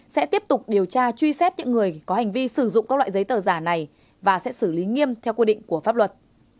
sẽ tiếp tục điều tra truy xét những người có hành vi sử dụng các loại giấy tờ giả này và sẽ xử lý nghiêm theo quy định của pháp luật